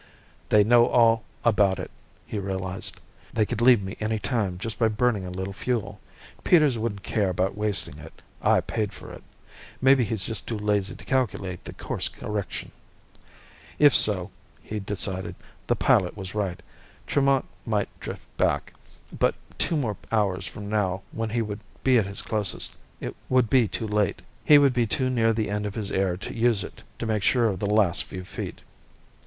They know all about it, he realized. _They could leave me any time just by burning a little fuel. Peters wouldn't care about wasting it I paid for it. Maybe he's just too lazy to calculate the course correction._ If so, he decided, the pilot was right. Tremont might drift back, but two more hours from now, when he would be at his closest, would be too late. He would be too near the end of his air to use it to make sure of the last few feet.